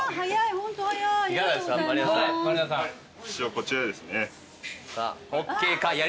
こちらですね。